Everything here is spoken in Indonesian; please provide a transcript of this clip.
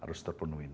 harus terpenuhi ini